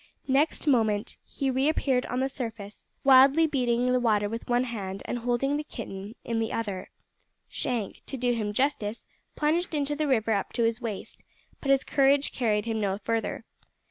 Next moment he re appeared on the surface, wildly beating the water with one hand and holding the kitten aloft in the other. Shank, to do him justice, plunged into the river up to his waist, but his courage carried him no further.